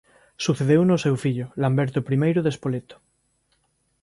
Sucedeuno o seu fillo Lamberto I de Spoleto.